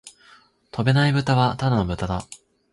飛べないブタはただの豚だ